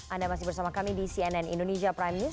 anda masih bersama kami di cnn indonesia prime news